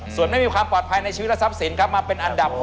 ส่วนไม่มีความปลอดภัยในชีวิตและทรัพย์สินครับมาเป็นอันดับ๖